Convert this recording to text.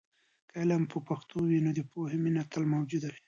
که علم په پښتو وي، نو د پوهې مینه تل موجوده ده.